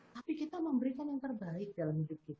tapi kita memberikan yang terbaik dalam hidup kita